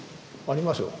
ありますよ